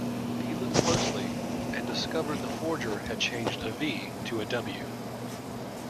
He looked closely and discovered the forger had changed a V to a W.